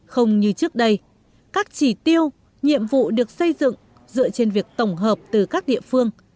không như trước đây các chỉ tiêu nhiệm vụ được xây dựng dựa trên việc tổng hợp từ các địa phương